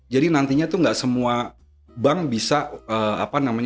jadi nantinya tuh nggak semua bank bisa melakukan lctt ini